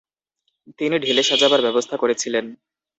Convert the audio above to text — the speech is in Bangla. তিনি ঢেলে সাজাবার ব্যবস্থা করেছিলেন।